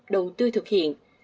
đầu tư thực hiện